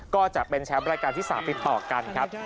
ก็จะเป็นแชมป์รายการที่๓ติดต่อกันครับ